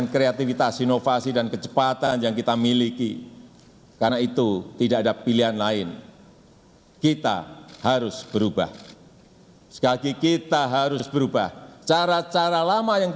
kemudahan kita untuk entwicklung